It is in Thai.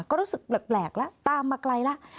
ก็รู้สึกแปลกแล้วตามมาไกลแล้ว